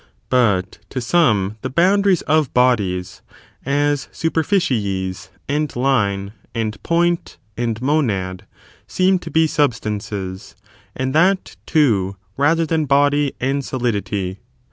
But to some' * the boundaries of bodies (as superficies, and line, and point, and monad) seem to be substances, and that, too, rather than body and solidity.